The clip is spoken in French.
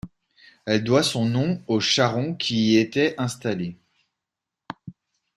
Elle doit son nom aux charrons qui y étaient installés.